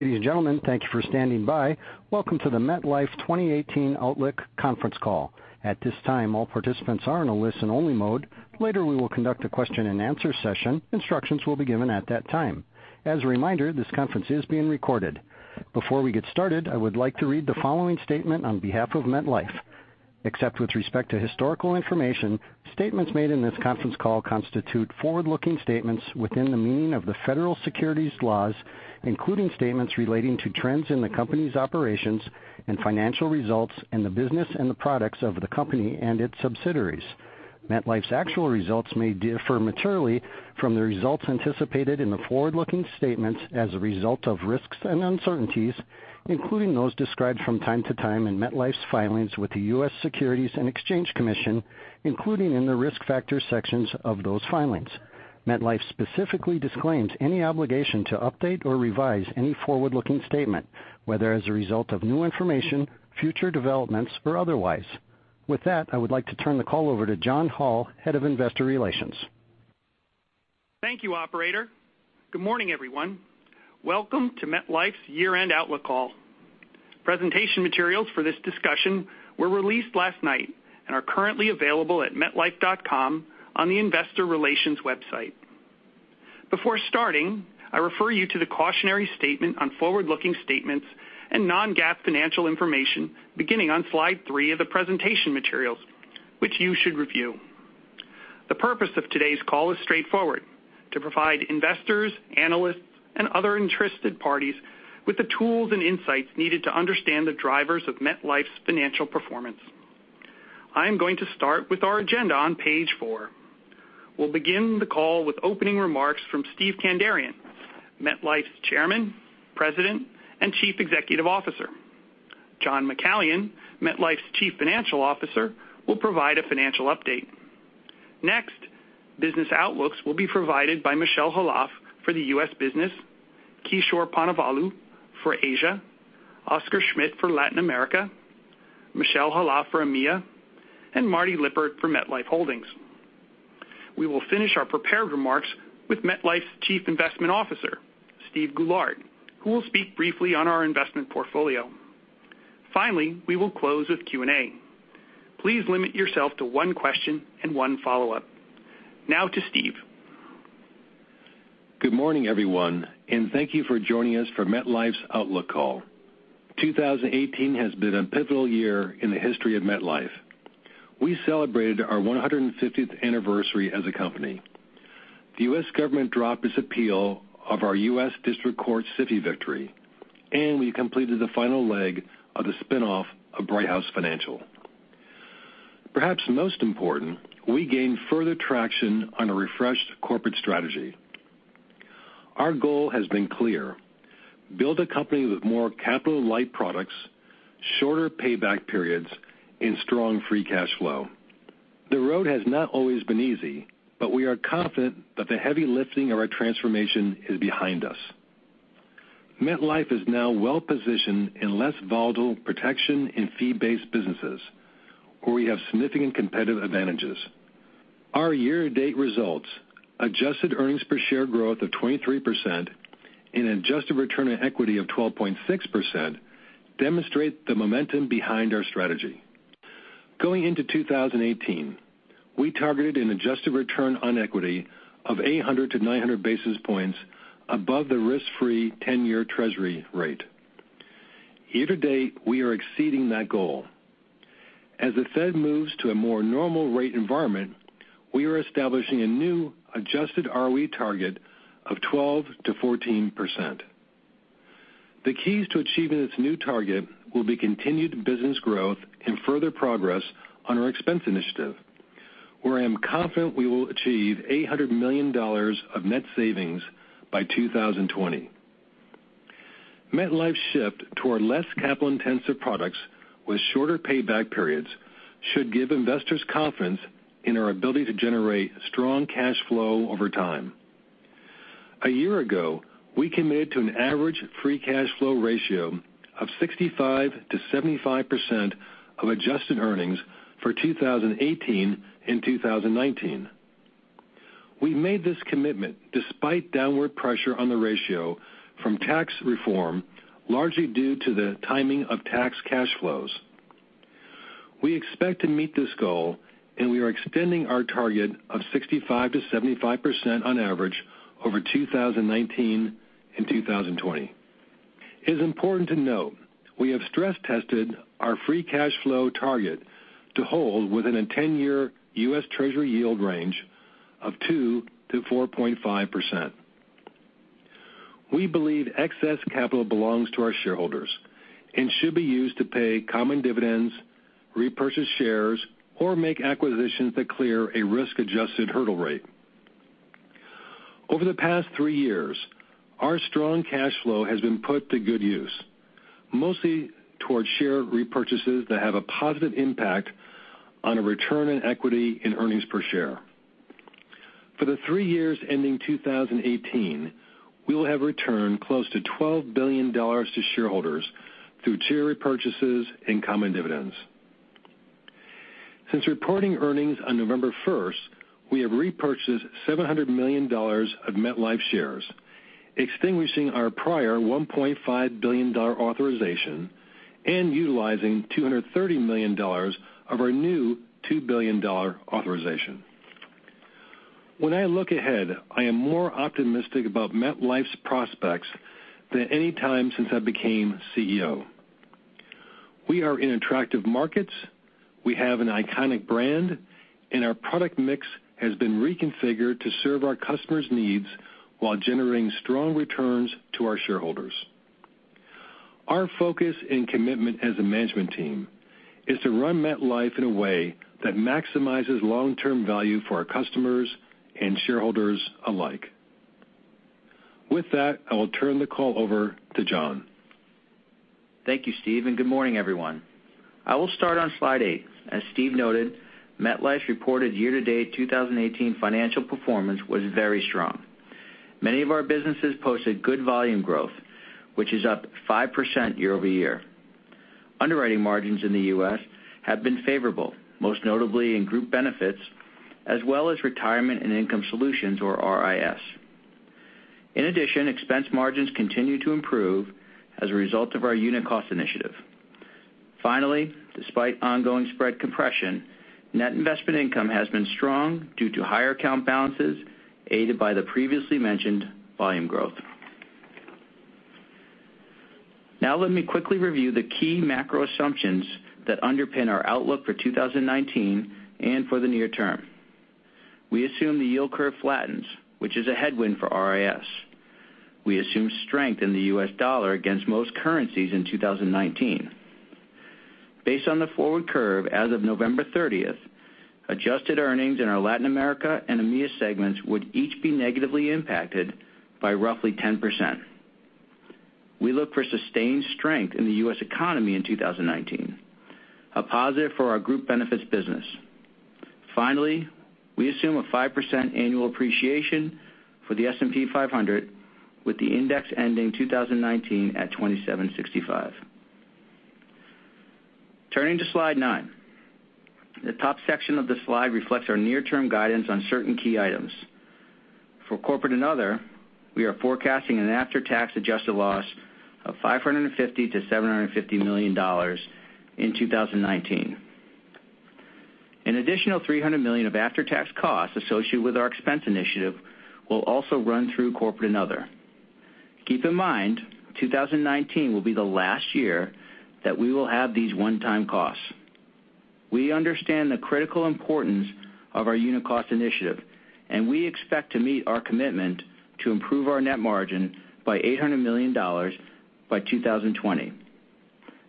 Ladies and gentlemen, thank you for standing by. Welcome to the MetLife 2018 Outlook Conference Call. At this time, all participants are in a listen-only mode. Later, we will conduct a question-and-answer session. Instructions will be given at that time. As a reminder, this conference is being recorded. Before we get started, I would like to read the following statement on behalf of MetLife. Except with respect to historical information, statements made in this conference call constitute forward-looking statements within the meaning of the federal securities laws, including statements relating to trends in the company's operations and financial results and the business and the products of the company and its subsidiaries. MetLife's actual results may differ materially from the results anticipated in the forward-looking statements as a result of risks and uncertainties, including those described from time to time in MetLife's filings with the U.S. Securities and Exchange Commission, including in the Risk Factors sections of those filings. MetLife specifically disclaims any obligation to update or revise any forward-looking statement, whether as a result of new information, future developments, or otherwise. I would like to turn the call over to John Hall, Head of Investor Relations. Thank you, operator. Good morning, everyone. Welcome to MetLife's year-end outlook call. Presentation materials for this discussion were released last night and are currently available at metlife.com on the investor relations website. Before starting, I refer you to the cautionary statement on forward-looking statements and non-GAAP financial information beginning on slide three of the presentation materials, which you should review. The purpose of today's call is straightforward: to provide investors, analysts, and other interested parties with the tools and insights needed to understand the drivers of MetLife's financial performance. I'm going to start with our agenda on page four. We'll begin the call with opening remarks from Steve Kandarian, MetLife's Chairman, President, and Chief Executive Officer. John McCallion, MetLife's Chief Financial Officer, will provide a financial update. Business outlooks will be provided by Michel Khalaf for the U.S. business, Kishore Ponnavolu for Asia, Oscar Schmidt for Latin America, Michel Khalaf for EMEA, and Marty Lippert for MetLife Holdings. We will finish our prepared remarks with MetLife's Chief Investment Officer, Steve Goulart, who will speak briefly on our investment portfolio. We will close with Q&A. Please limit yourself to one question and one follow-up. Now to Steve. Good morning, everyone, and thank you for joining us for MetLife's Outlook Call. 2018 has been a pivotal year in the history of MetLife. We celebrated our 150th anniversary as a company. The U.S. government dropped its appeal of our U.S. District Court SIFI victory, and we completed the final leg of the spin-off of Brighthouse Financial. Perhaps most important, we gained further traction on a refreshed corporate strategy. Our goal has been clear: build a company with more capital-light products, shorter payback periods, and strong free cash flow. The road has not always been easy, but we are confident that the heavy lifting of our transformation is behind us. MetLife is now well-positioned in less volatile protection and fee-based businesses where we have significant competitive advantages. Our year-to-date results, adjusted earnings per share growth of 23% and an adjusted return on equity of 12.6%, demonstrate the momentum behind our strategy. Going into 2018, we targeted an adjusted return on equity of 800 to 900 basis points above the risk-free 10-year U.S. Treasury rate. Year to date, we are exceeding that goal. As the Fed moves to a more normal rate environment, we are establishing a new adjusted ROE target of 12%-14%. The keys to achieving this new target will be continued business growth and further progress on our expense initiative, where I am confident we will achieve $800 million of net savings by 2020. MetLife's shift toward less capital-intensive products with shorter payback periods should give investors confidence in our ability to generate strong cash flow over time. A year ago, we committed to an average free cash flow ratio of 65%-75% of adjusted earnings for 2018 and 2019. We made this commitment despite downward pressure on the ratio from tax reform, largely due to the timing of tax cash flows. We expect to meet this goal, and we are extending our target of 65%-75% on average over 2019 and 2020. It is important to note, we have stress tested our free cash flow target to hold within a 10-year U.S. Treasury yield range of 2%-4.5%. We believe excess capital belongs to our shareholders and should be used to pay common dividends, repurchase shares, or make acquisitions that clear a risk-adjusted hurdle rate. Over the past three years, our strong cash flow has been put to good use, mostly towards share repurchases that have a positive impact on a return on equity and earnings per share. For the three years ending 2018, we will have returned close to $12 billion to shareholders through share repurchases and common dividends. Since reporting earnings on November 1st, we have repurchased $700 million of MetLife shares, extinguishing our prior $1.5 billion authorization and utilizing $230 million of our new $2 billion authorization. When I look ahead, I am more optimistic about MetLife's prospects than any time since I became CEO. We are in attractive markets, we have an iconic brand, and our product mix has been reconfigured to serve our customers' needs while generating strong returns to our shareholders. Our focus and commitment as a management team is to run MetLife in a way that maximizes long-term value for our customers and shareholders alike. With that, I will turn the call over to John. Thank you, Steve, and good morning, everyone. I will start on slide eight. As Steve noted, MetLife's reported year-to-date 2018 financial performance was very strong. Many of our businesses posted good volume growth, which is up 5% year-over-year. Underwriting margins in the U.S. have been favorable, most notably in Group Benefits, as well as Retirement & Income Solutions, or RIS. In addition, expense margins continue to improve as a result of our Unit Cost Initiative. Let me quickly review the key macro assumptions that underpin our outlook for 2019 and for the near term. We assume the yield curve flattens, which is a headwind for RIS. We assume strength in the U.S. dollar against most currencies in 2019. Based on the forward curve as of November 30th, adjusted earnings in our Latin America and EMEA segments would each be negatively impacted by roughly 10%. We look for sustained strength in the U.S. economy in 2019, a positive for our Group Benefits business. Finally, we assume a 5% annual appreciation for the S&P 500, with the index ending 2019 at 2765. Turning to slide nine. The top section of the slide reflects our near-term guidance on certain key items. For Corporate & Other, we are forecasting an after-tax adjusted loss of $550 million-$750 million in 2019. An additional $300 million of after-tax costs associated with our Expense Initiative will also run through Corporate & Other. Keep in mind, 2019 will be the last year that we will have these one-time costs. We understand the critical importance of our Unit Cost Initiative, and we expect to meet our commitment to improve our net margin by $800 million by 2020.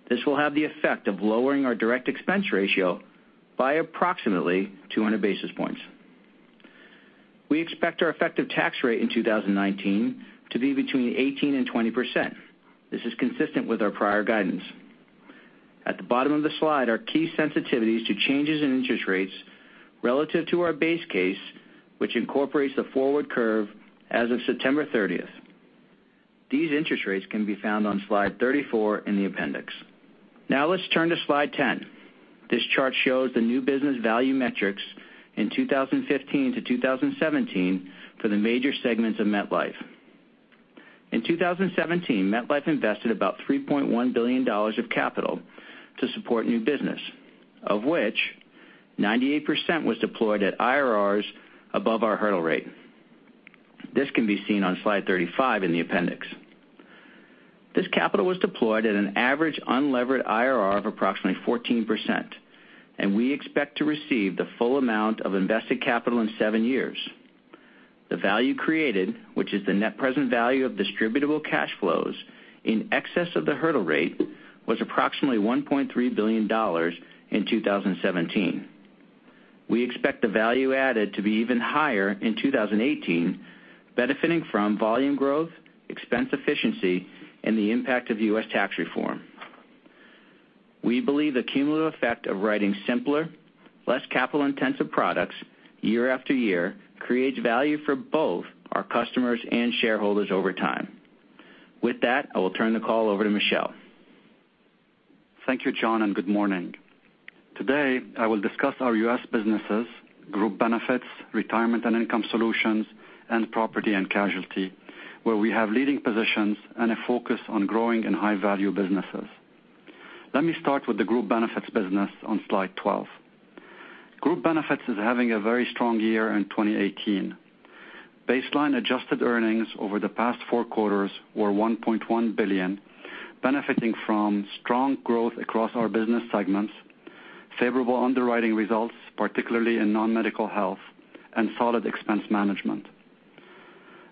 This will have the effect of lowering our direct expense ratio by approximately 200 basis points. We expect our effective tax rate in 2019 to be between 18% and 20%. This is consistent with our prior guidance. At the bottom of the slide are key sensitivities to changes in interest rates relative to our base case, which incorporates the forward curve as of September 30th. These interest rates can be found on slide 34 in the appendix. Let's turn to slide 10. This chart shows the new business value metrics in 2015 to 2017 for the major segments of MetLife. In 2017, MetLife invested about $3.1 billion of capital to support new business, of which 98% was deployed at IRRs above our hurdle rate. This can be seen on slide 35 in the appendix. This capital was deployed at an average unlevered IRR of approximately 14%, and we expect to receive the full amount of invested capital in seven years. The value created, which is the net present value of distributable cash flows in excess of the hurdle rate, was approximately $1.3 billion in 2017. We expect the value added to be even higher in 2018, benefiting from volume growth, expense efficiency, and the impact of U.S. tax reform. With that, I will turn the call over to Michel. Thank you, John. Good morning. Today, I will discuss our U.S. businesses, Group Benefits, Retirement and Income Solutions, and Property and Casualty, where we have leading positions and a focus on growing in high-value businesses. Let me start with the Group Benefits business on slide 12. Group Benefits is having a very strong year in 2018. Baseline adjusted earnings over the past four quarters were $1.1 billion, benefiting from strong growth across our business segments, favorable underwriting results, particularly in non-medical health, and solid expense management.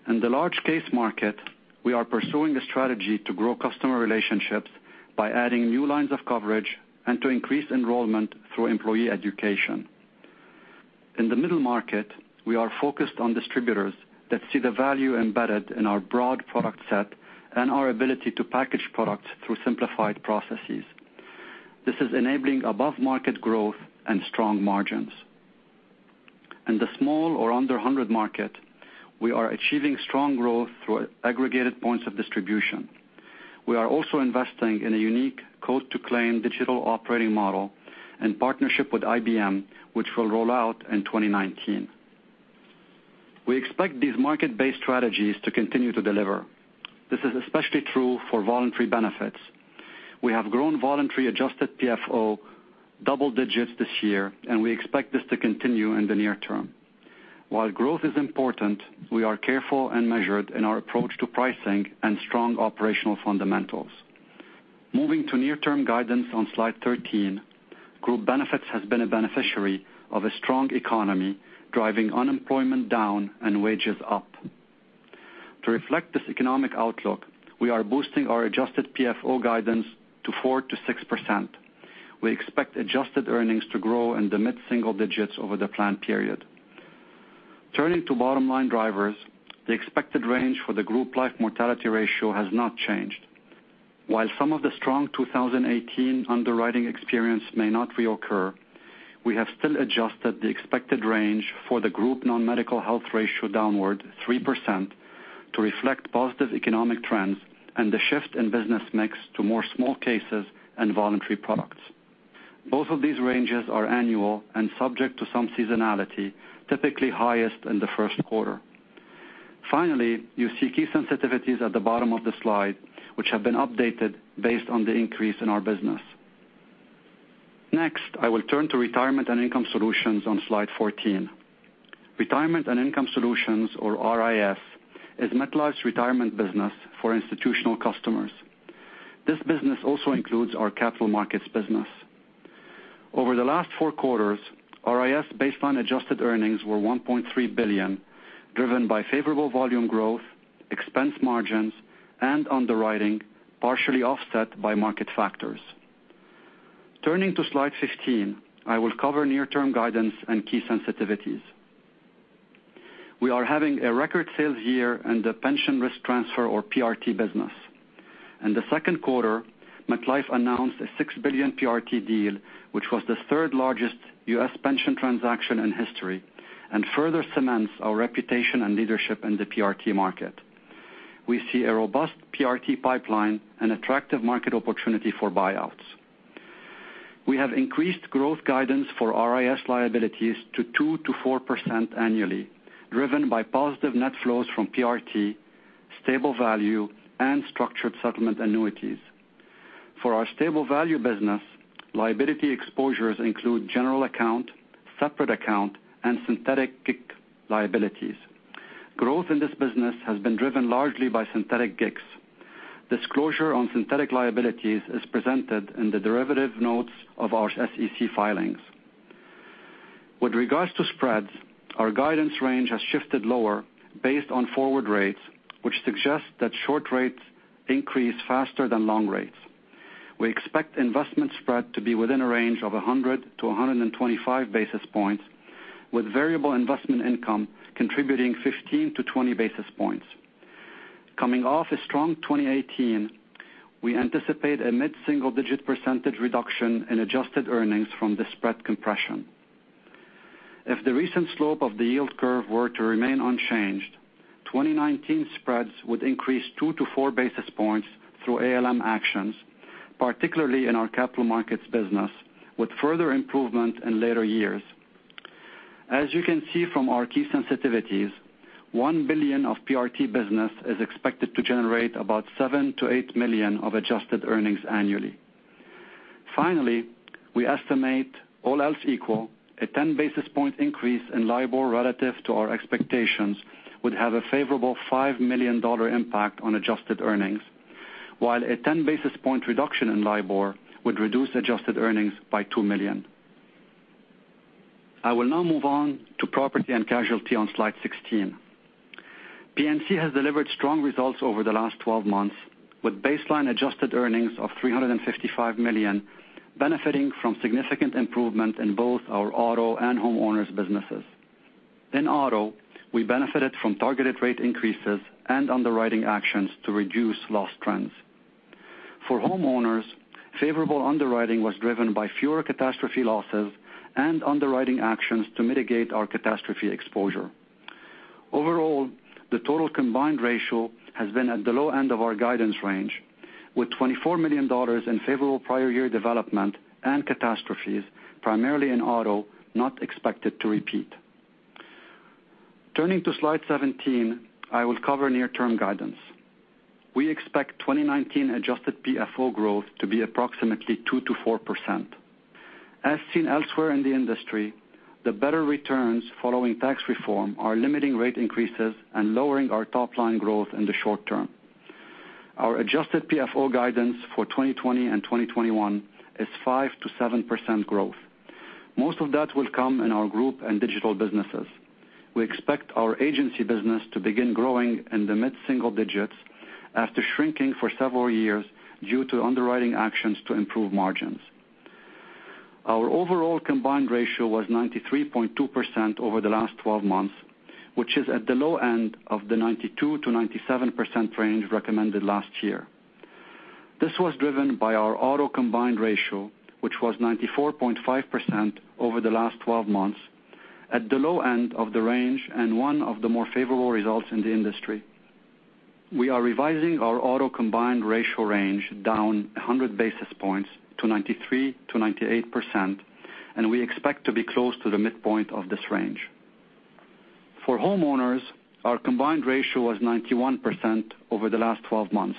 In the large case market, we are pursuing a strategy to grow customer relationships by adding new lines of coverage and to increase enrollment through employee education. In the middle market, we are focused on distributors that see the value embedded in our broad product set and our ability to package products through simplified processes. This is enabling above-market growth and strong margins. In the small or under 100 market, we are achieving strong growth through aggregated points of distribution. We are also investing in a unique quote-to-claim digital operating model in partnership with IBM, which will roll out in 2019. We expect these market-based strategies to continue to deliver. This is especially true for voluntary benefits. We have grown voluntary adjusted PFO double digits this year, and we expect this to continue in the near term. While growth is important, we are careful and measured in our approach to pricing and strong operational fundamentals. Moving to near-term guidance on Slide 13, Group Benefits has been a beneficiary of a strong economy, driving unemployment down and wages up. To reflect this economic outlook, we are boosting our adjusted PFO guidance to 4%-6%. We expect adjusted earnings to grow in the mid-single digits over the plan period. Turning to bottom-line drivers, the expected range for the Group Life mortality ratio has not changed. While some of the strong 2018 underwriting experience may not reoccur, we have still adjusted the expected range for the Group non-medical health ratio downward 3% to reflect positive economic trends and the shift in business mix to more small cases and voluntary products. Both of these ranges are annual and subject to some seasonality, typically highest in the first quarter. You see key sensitivities at the bottom of the slide, which have been updated based on the increase in our business. I will turn to Retirement and Income Solutions on Slide 14. Retirement and Income Solutions, or RIS, is MetLife's retirement business for institutional customers. This business also includes our capital markets business. Over the last four quarters, RIS baseline adjusted earnings were $1.3 billion, driven by favorable volume growth, expense margins, and underwriting, partially offset by market factors. Turning to Slide 15, I will cover near-term guidance and key sensitivities. We are having a record sales year in the pension risk transfer or PRT business. In the second quarter, MetLife announced a $6 billion PRT deal, which was the third-largest U.S. pension transaction in history and further cements our reputation and leadership in the PRT market. We see a robust PRT pipeline and attractive market opportunity for buyouts. We have increased growth guidance for RIS liabilities to 2%-4% annually, driven by positive net flows from PRT, stable value, and structured settlement annuities. For our stable value business, liability exposures include general account, separate account, and synthetic GIC liabilities. Growth in this business has been driven largely by synthetic GICs. Disclosure on synthetic liabilities is presented in the derivative notes of our SEC filings. With regards to spreads, our guidance range has shifted lower based on forward rates, which suggest that short rates increase faster than long rates. We expect investment spread to be within a range of 100-125 basis points, with variable investment income contributing 15-20 basis points. Coming off a strong 2018, we anticipate a mid-single-digit percentage reduction in adjusted earnings from the spread compression. If the recent slope of the yield curve were to remain unchanged, 2019 spreads would increase 2-4 basis points through ALM actions, particularly in our capital markets business, with further improvement in later years. As you can see from our key sensitivities, $1 billion of PRT business is expected to generate about $7 million-$8 million of adjusted earnings annually. Finally, we estimate, all else equal, a 10-basis-point increase in LIBOR relative to our expectations would have a favorable $5 million impact on adjusted earnings, while a 10-basis-point reduction in LIBOR would reduce adjusted earnings by $2 million. I will now move on to Property and Casualty on Slide 16. P&C has delivered strong results over the last 12 months, with baseline-adjusted earnings of $355 million, benefiting from significant improvement in both our auto and homeowners businesses. In auto, we benefited from targeted rate increases and underwriting actions to reduce loss trends. For homeowners, favorable underwriting was driven by fewer catastrophe losses and underwriting actions to mitigate our catastrophe exposure. Overall, the total combined ratio has been at the low end of our guidance range, with $24 million in favorable prior year development and catastrophes, primarily in auto, not expected to repeat. Turning to Slide 17, I will cover near-term guidance. We expect 2019 adjusted PFO growth to be approximately 2%-4%. As seen elsewhere in the industry, the better returns following tax reform are limiting rate increases and lowering our top-line growth in the short term. Our adjusted PFO guidance for 2020 and 2021 is 5%-7% growth. Most of that will come in our Group and Digital businesses. We expect our agency business to begin growing in the mid-single digits after shrinking for several years due to underwriting actions to improve margins. Our overall combined ratio was 93.2% over the last 12 months, which is at the low end of the 92%-97% range recommended last year. This was driven by our auto combined ratio, which was 94.5% over the last 12 months, at the low end of the range and one of the more favorable results in the industry. We are revising our auto combined ratio range down 100 basis points to 93%-98%, and we expect to be close to the midpoint of this range. For homeowners, our combined ratio was 91% over the last 12 months.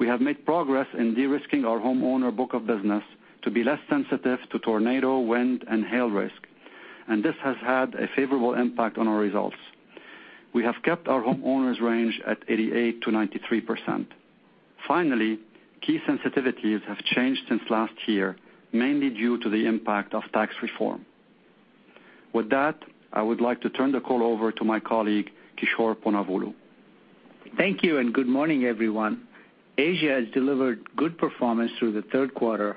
We have made progress in de-risking our homeowner book of business to be less sensitive to tornado, wind, and hail risk, and this has had a favorable impact on our results. We have kept our homeowners' range at 88%-93%. Finally, key sensitivities have changed since last year, mainly due to the impact of tax reform. With that, I would like to turn the call over to my colleague, Kishore Ponnavolu. Thank you. Good morning, everyone. Asia has delivered good performance through the third quarter,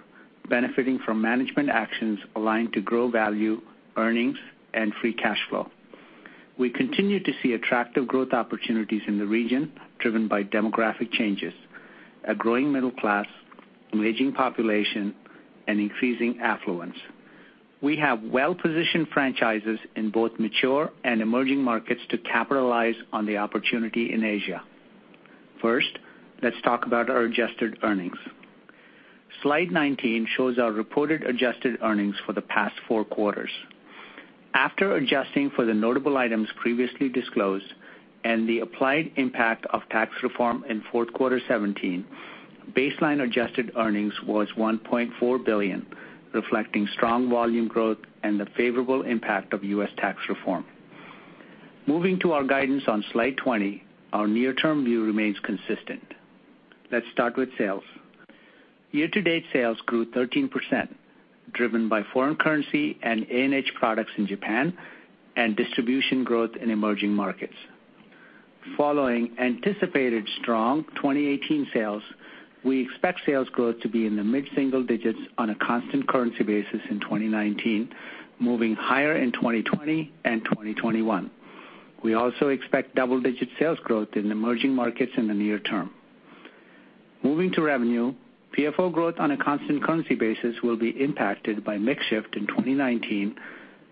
benefiting from management actions aligned to grow value, earnings, and free cash flow. We continue to see attractive growth opportunities in the region driven by demographic changes, a growing middle class, an aging population, and increasing affluence. We have well-positioned franchises in both mature and emerging markets to capitalize on the opportunity in Asia. First, let's talk about our adjusted earnings. Slide 19 shows our reported adjusted earnings for the past four quarters. After adjusting for the notable items previously disclosed and the applied impact of tax reform in fourth quarter 2017, baseline adjusted earnings was $1.4 billion, reflecting strong volume growth and the favorable impact of U.S. tax reform. Moving to our guidance on slide 20, our near-term view remains consistent. Let's start with sales. Year-to-date sales grew 13%, driven by foreign currency and A&H products in Japan and distribution growth in emerging markets. Following anticipated strong 2018 sales, we expect sales growth to be in the mid-single digits on a constant currency basis in 2019, moving higher in 2020 and 2021. We also expect double-digit sales growth in emerging markets in the near term. Moving to revenue, PFO growth on a constant currency basis will be impacted by mix shift in 2019,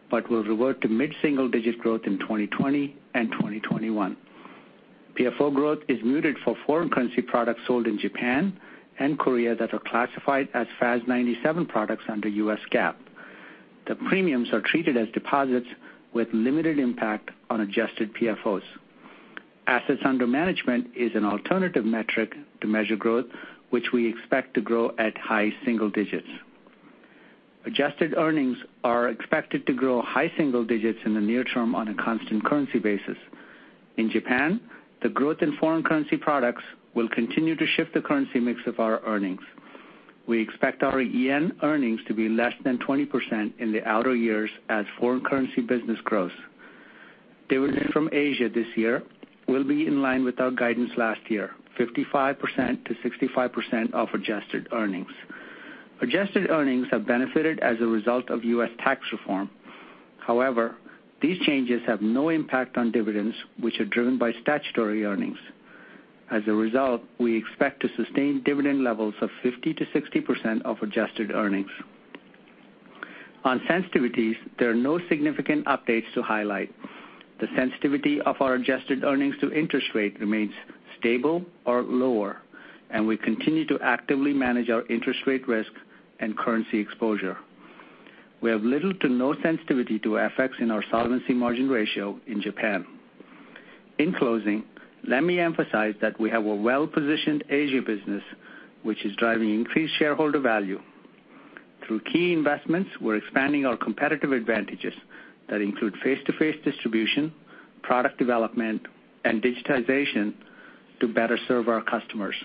but will revert to mid-single digit growth in 2020 and 2021. PFO growth is muted for foreign currency products sold in Japan and Korea that are classified as FAS 97 products under U.S. GAAP. The premiums are treated as deposits with limited impact on adjusted PFOs. Assets under management is an alternative metric to measure growth, which we expect to grow at high single digits. Adjusted earnings are expected to grow high single digits in the near term on a constant currency basis. In Japan, the growth in foreign currency products will continue to shift the currency mix of our earnings. We expect our yen earnings to be less than 20% in the outer years as foreign currency business grows. Dividends from Asia this year will be in line with our guidance last year, 55%-65% of adjusted earnings. Adjusted earnings have benefited as a result of U.S. tax reform. However, these changes have no impact on dividends, which are driven by statutory earnings. As a result, we expect to sustain dividend levels of 50%-60% of adjusted earnings. On sensitivities, there are no significant updates to highlight. The sensitivity of our adjusted earnings to interest rate remains stable or lower. We continue to actively manage our interest rate risk and currency exposure. We have little to no sensitivity to effects in our solvency margin ratio in Japan. In closing, let me emphasize that we have a well-positioned Asia business, which is driving increased shareholder value. Through key investments, we're expanding our competitive advantages that include face-to-face distribution, product development, and digitization to better serve our customers.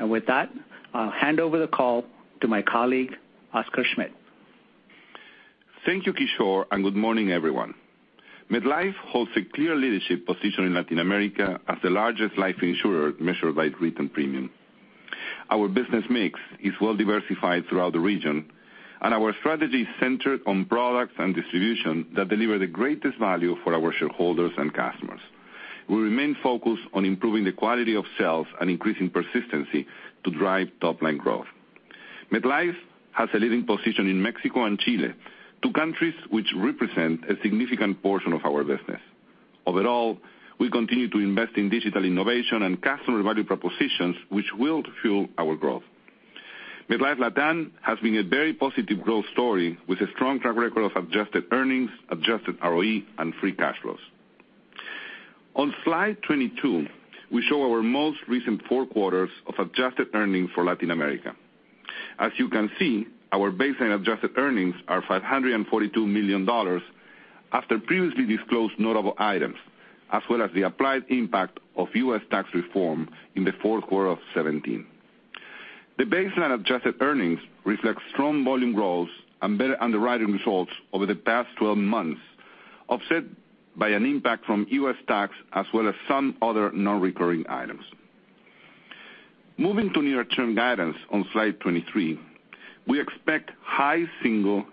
With that, I'll hand over the call to my colleague, Oscar Schmidt. Thank you, Kishore. Good morning, everyone. MetLife holds a clear leadership position in Latin America as the largest life insurer measured by written premium. Our business mix is well diversified throughout the region. Our strategy is centered on products and distribution that deliver the greatest value for our shareholders and customers. We remain focused on improving the quality of sales and increasing persistency to drive top-line growth. MetLife has a leading position in Mexico and Chile, two countries which represent a significant portion of our business. Overall, we continue to invest in digital innovation and customer value propositions, which will fuel our growth. MetLife Latin has been a very positive growth story with a strong track record of adjusted earnings, adjusted ROE, and free cash flows. On slide 22, we show our most recent four quarters of adjusted earnings for Latin America. As you can see, our baseline adjusted earnings are $542 million after previously disclosed notable items, as well as the applied impact of U.S. tax reform in the fourth quarter of 2017. The baseline adjusted earnings reflect strong volume growth and better underwriting results over the past 12 months, offset by an impact from U.S. tax as well as some other non-recurring items. Moving to near-term guidance on slide 23, we expect high single-digit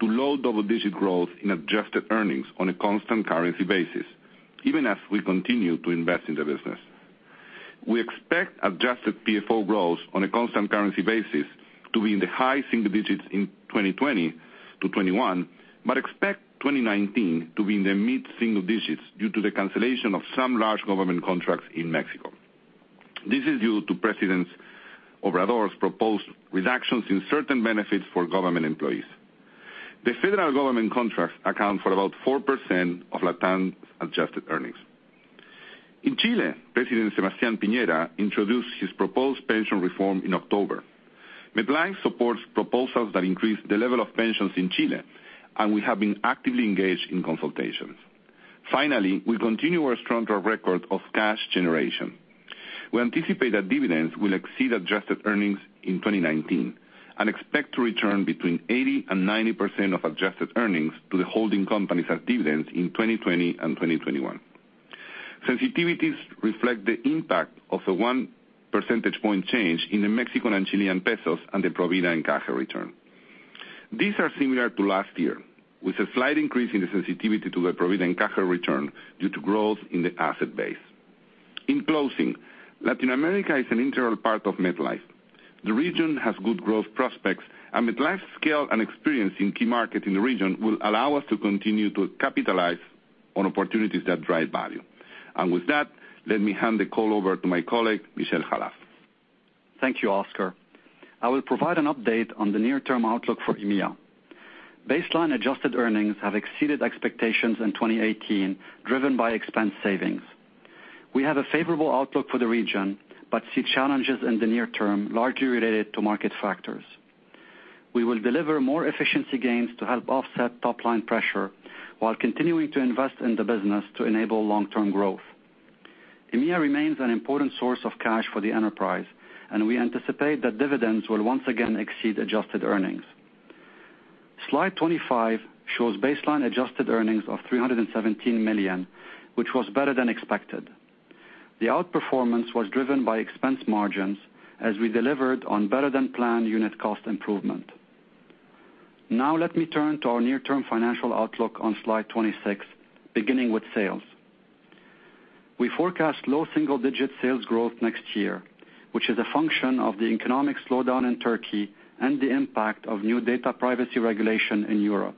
to low double-digit growth in adjusted earnings on a constant currency basis, even as we continue to invest in the business. We expect adjusted PFO growth on a constant currency basis to be in the high single-digits in 2020-2021, but expect 2019 to be in the mid-single-digits due to the cancellation of some large government contracts in Mexico. This is due to President Obrador's proposed reductions in certain benefits for government employees. The federal government contracts account for about 4% of LATAM's adjusted earnings. In Chile, President Sebastián Piñera introduced his proposed pension reform in October. MetLife supports proposals that increase the level of pensions in Chile. We have been actively engaged in consultations. Finally, we continue our strong track record of cash generation. We anticipate that dividends will exceed adjusted earnings in 2019. We expect to return between 80% and 90% of adjusted earnings to the holding companies as dividends in 2020 and 2021. Sensitivities reflect the impact of a one percentage point change in the Mexican and Chilean pesos and the Provida encaje return. These are similar to last year, with a slight increase in the sensitivity to the Provida encaje return due to growth in the asset base. In closing, Latin America is an integral part of MetLife. The region has good growth prospects, MetLife's scale and experience in key markets in the region will allow us to continue to capitalize on opportunities that drive value. With that, let me hand the call over to my colleague, Michel Khalaf. Thank you, Oscar. I will provide an update on the near-term outlook for EMEA. Baseline adjusted earnings have exceeded expectations in 2018, driven by expense savings. We have a favorable outlook for the region, but see challenges in the near term, largely related to market factors. We will deliver more efficiency gains to help offset top-line pressure while continuing to invest in the business to enable long-term growth. EMEA remains an important source of cash for the enterprise, we anticipate that dividends will once again exceed adjusted earnings. Slide 25 shows baseline adjusted earnings of $317 million, which was better than expected. The outperformance was driven by expense margins, as we delivered on better-than-planned unit cost improvement. Let me turn to our near-term financial outlook on slide 26, beginning with sales. We forecast low double-digit sales growth next year, which is a function of the economic slowdown in Turkey and the impact of new data privacy regulation in Europe.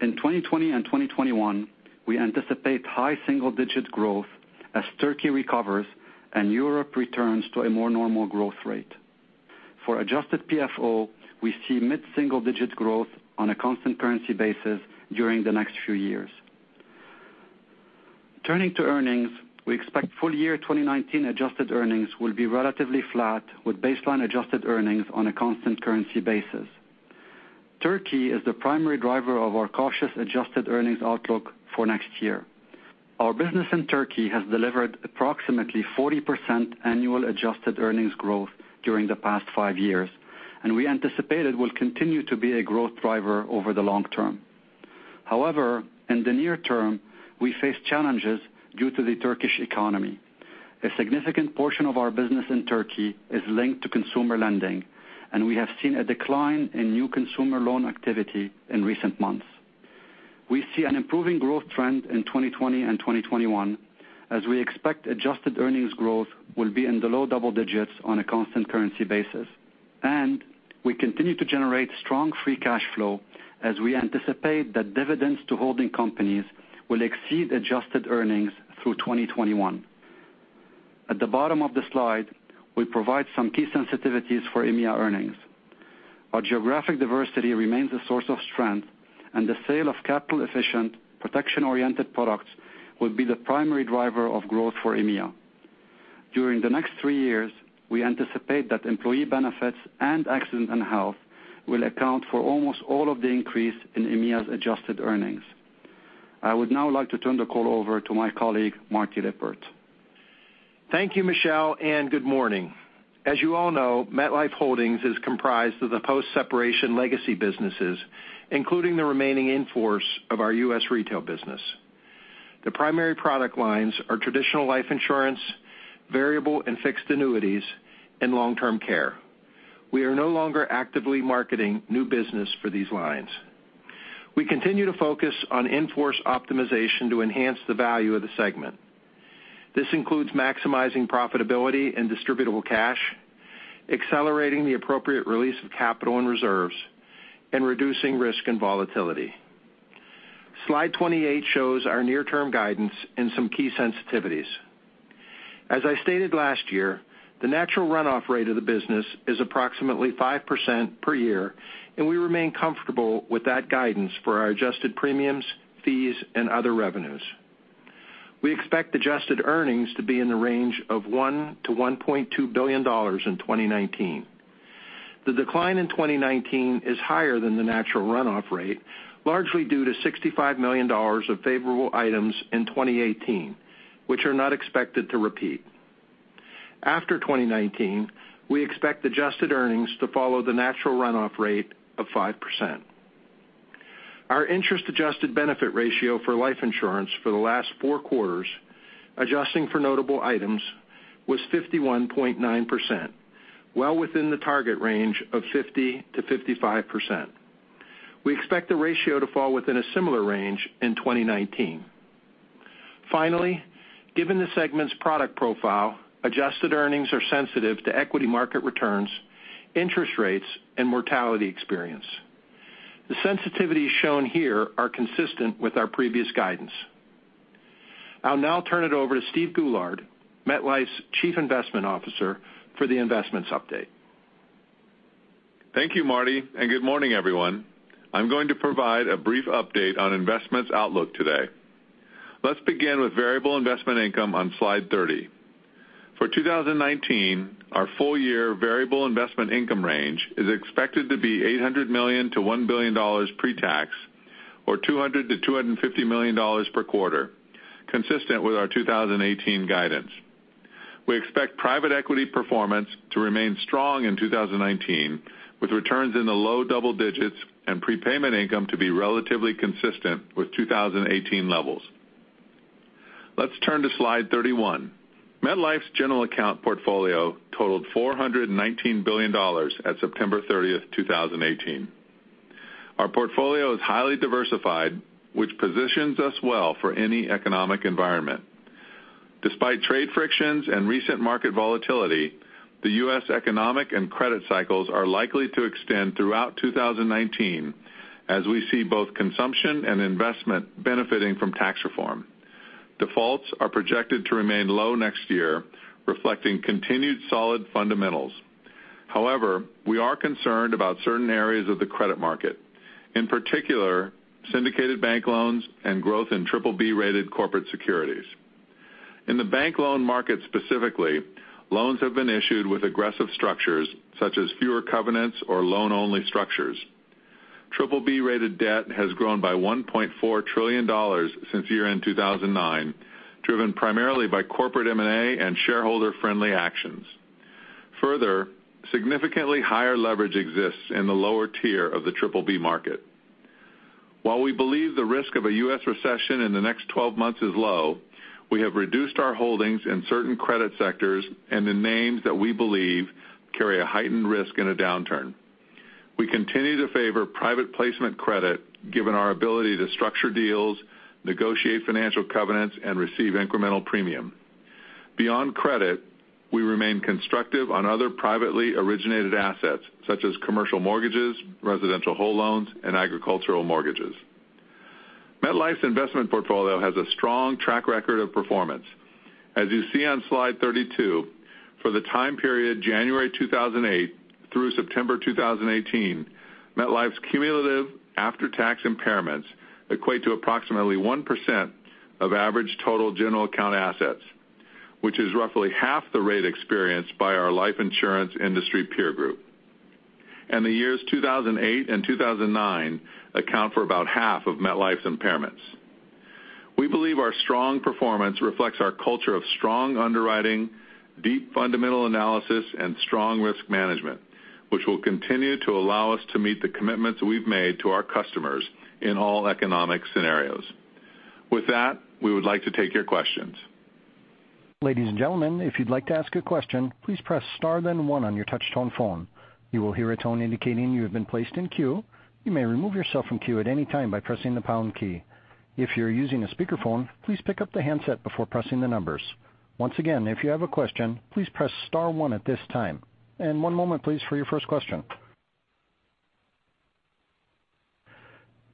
In 2020 and 2021, we anticipate high single-digit growth as Turkey recovers and Europe returns to a more normal growth rate. For adjusted PFO, we see mid-single-digit growth on a constant currency basis during the next few years. Turning to earnings, we expect full-year 2019 adjusted earnings will be relatively flat, with baseline-adjusted earnings on a constant currency basis. Turkey is the primary driver of our cautious adjusted earnings outlook for next year. Our business in Turkey has delivered approximately 40% annual adjusted earnings growth during the past five years, we anticipate it will continue to be a growth driver over the long term. In the near term, we face challenges due to the Turkish economy. A significant portion of our business in Turkey is linked to consumer lending, we have seen a decline in new consumer loan activity in recent months. We see an improving growth trend in 2020 and 2021, as we expect adjusted earnings growth will be in the low double digits on a constant currency basis, we continue to generate strong free cash flow as we anticipate that dividends to holding companies will exceed adjusted earnings through 2021. At the bottom of the slide, we provide some key sensitivities for EMEA earnings. Our geographic diversity remains a source of strength, the sale of capital-efficient, protection-oriented products will be the primary driver of growth for EMEA. During the next three years, we anticipate that employee benefits and accident and health will account for almost all of the increase in EMEA's adjusted earnings. I would now like to turn the call over to my colleague, Marty Lippert. Thank you, Michel, and good morning. As you all know, MetLife Holdings is comprised of the post-separation legacy businesses, including the remaining in-force of our U.S. retail business. The primary product lines are traditional life insurance, variable and fixed annuities, and long-term care. We are no longer actively marketing new business for these lines. We continue to focus on in-force optimization to enhance the value of the segment. This includes maximizing profitability and distributable cash, accelerating the appropriate release of capital and reserves, and reducing risk and volatility. Slide 28 shows our near-term guidance and some key sensitivities. As I stated last year, the natural runoff rate of the business is approximately 5% per year, and we remain comfortable with that guidance for our adjusted premiums, fees, and other revenues. We expect adjusted earnings to be in the range of $1 billion to $1.2 billion in 2019. The decline in 2019 is higher than the natural runoff rate, largely due to $65 million of favorable items in 2018, which are not expected to repeat. After 2019, we expect adjusted earnings to follow the natural runoff rate of 5%. Our interest-adjusted benefit ratio for life insurance for the last four quarters, adjusting for notable items, was 51.9%, well within the target range of 50%-55%. We expect the ratio to fall within a similar range in 2019. Finally, given the segment's product profile, adjusted earnings are sensitive to equity market returns, interest rates, and mortality experience. The sensitivities shown here are consistent with our previous guidance. I'll now turn it over to Steve Goulart, MetLife's Chief Investment Officer, for the investments update. Thank you, Marty, and good morning, everyone. I'm going to provide a brief update on investments outlook today. Let's begin with variable investment income on slide 30. For 2019, our full year variable investment income range is expected to be $800 million to $1 billion pre-tax, or $200 million to $250 million per quarter, consistent with our 2018 guidance. We expect private equity performance to remain strong in 2019, with returns in the low double digits and prepayment income to be relatively consistent with 2018 levels. Let's turn to slide 31. MetLife's general account portfolio totaled $419 billion at September 30th, 2018. Our portfolio is highly diversified, which positions us well for any economic environment. Despite trade frictions and recent market volatility, the U.S. economic and credit cycles are likely to extend throughout 2019, as we see both consumption and investment benefiting from tax reform. Defaults are projected to remain low next year, reflecting continued solid fundamentals. We are concerned about certain areas of the credit market, in particular syndicated bank loans and growth in BBB-rated corporate securities. In the bank loan market specifically, loans have been issued with aggressive structures such as fewer covenants or loan-only structures. BBB-rated debt has grown by $1.4 trillion since year-end 2009, driven primarily by corporate M&A and shareholder-friendly actions. Significantly higher leverage exists in the lower tier of the BBB market. While we believe the risk of a U.S. recession in the next 12 months is low, we have reduced our holdings in certain credit sectors and in names that we believe carry a heightened risk in a downturn. We continue to favor private placement credit, given our ability to structure deals, negotiate financial covenants, and receive incremental premium. Beyond credit, we remain constructive on other privately originated assets, such as commercial mortgages, residential whole loans, and agricultural mortgages. MetLife's investment portfolio has a strong track record of performance. As you see on slide 32, for the time period January 2008 through September 2018, MetLife's cumulative after-tax impairments equate to approximately 1% of average total general account assets, which is roughly half the rate experienced by our life insurance industry peer group. The years 2008 and 2009 account for about half of MetLife's impairments. We believe our strong performance reflects our culture of strong underwriting, deep fundamental analysis, and strong risk management, which will continue to allow us to meet the commitments we've made to our customers in all economic scenarios. With that, we would like to take your questions. Ladies and gentlemen, if you'd like to ask a question, please press * then 1 on your touch-tone phone. You will hear a tone indicating you have been placed in queue. You may remove yourself from queue at any time by pressing the # key. If you're using a speakerphone, please pick up the handset before pressing the numbers. Once again, if you have a question, please press *1 at this time. One moment, please, for your first question.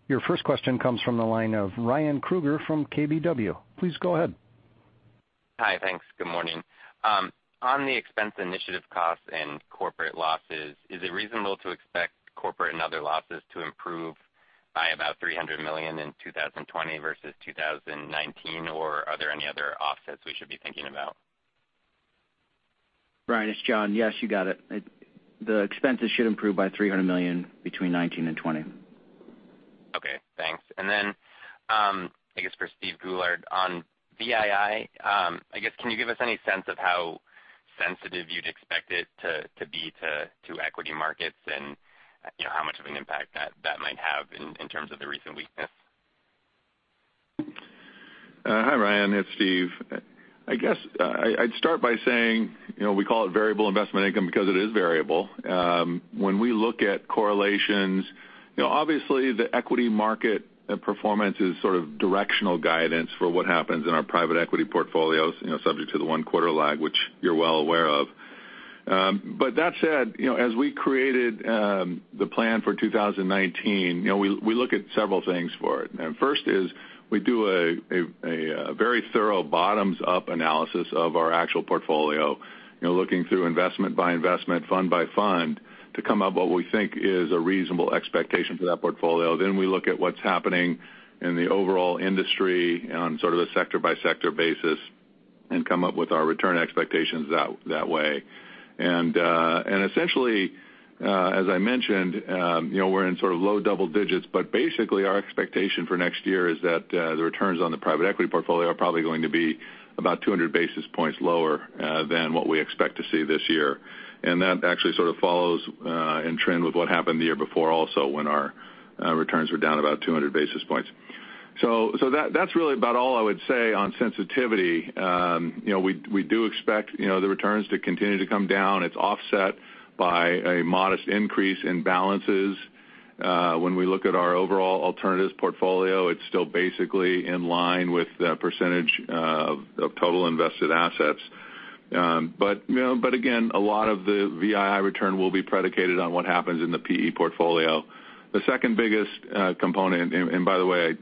Your first question comes from the line of Ryan Krueger from KBW. Please go ahead. Hi. Thanks. Good morning. On the expense initiative costs and corporate losses, is it reasonable to expect corporate and other losses to improve by about $300 million in 2020 versus 2019? Are there any other offsets we should be thinking about? Ryan, it's John. Yes, you got it. The expenses should improve by $300 million between 2019 and 2020. Okay, thanks. Then, I guess for Steven Goulart, on VII, can you give us any sense of how sensitive you'd expect it to be to equity markets and how much of an impact that might have in terms of the recent weakness? Hi, Ryan. It's Steve. I guess I'd start by saying we call it variable investment income because it is variable. When we look at correlations, obviously the equity market performance is sort of directional guidance for what happens in our private equity portfolios, subject to the one quarter lag, which you're well aware of. That said, as we created the plan for 2019, we look at several things for it. First is we do a very thorough bottoms-up analysis of our actual portfolio, looking through investment by investment, fund by fund, to come up with what we think is a reasonable expectation for that portfolio. We look at what's happening in the overall industry on sort of a sector-by-sector basis and come up with our return expectations that way. Essentially, as I mentioned, we're in sort of low double digits, but basically our expectation for next year is that the returns on the private equity portfolio are probably going to be about 200 basis points lower than what we expect to see this year. That actually sort of follows in trend with what happened the year before also when our returns were down about 200 basis points. That's really about all I would say on sensitivity. We do expect the returns to continue to come down. It's offset by a modest increase in balances. We look at our overall alternatives portfolio, it's still basically in line with the percentage of total invested assets. Again, a lot of the VII return will be predicated on what happens in the PE portfolio. The second biggest component, and by the way,